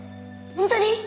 本当に！？